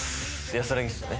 安らぎっすよね。